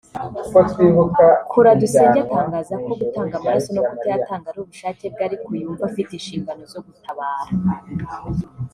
Kuradusenge atangaza ko gutanga amaraso no kutayatanga ari ubushake bwe ko ariko yumva afite inshingano zo gutabara